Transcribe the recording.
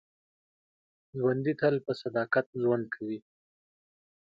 ژوندي تل په صداقت ژوند کوي